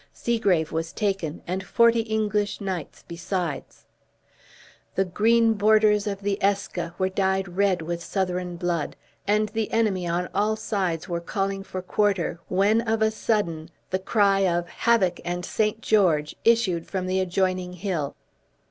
Segrave was taken, and forty English knights besides. The green borders of the Eske were dyed red with Southron blood; and the enemy on all sides were calling for quarter, when, of a sudden, the cry of "Havoc and St. George!" issued from the adjoining hill.